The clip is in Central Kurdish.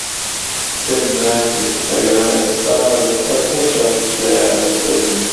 پێم ناکرێ، ئەگەنا ئێستا بەسەر ئەو شاخ و چیایانە دەکەوتم.